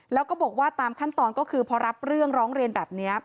แล้วก็บอกว่าตามขั้นตอนก็คือพอรับเรื่องร้องเรียนแบบนี้